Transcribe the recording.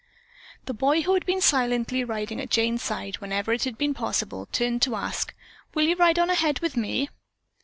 The boy, who had been silently riding at Jane's side whenever it had been possible, turned to ask: "Will you ride on ahead with me?"